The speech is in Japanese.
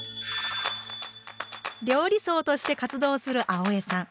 料理僧として活動する青江さん。